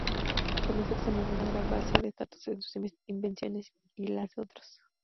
Comenzó examinando una gran base de datos con sus invenciones y las de otros.